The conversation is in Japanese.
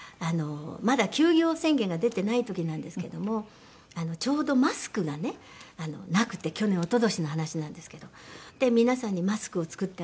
まだ休業宣言が出てない時なんですけどもちょうどマスクがねなくて去年一昨年の話なんですけど皆さんにマスクを作ってあげて。